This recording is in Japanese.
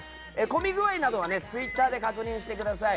混み具合などはツイッターで確認してください。